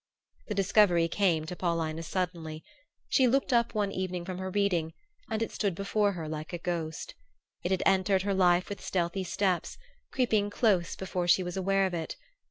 The discovery came to Paulina suddenly. She looked up one evening from her reading and it stood before her like a ghost. It had entered her life with stealthy steps, creeping close before she was aware of it.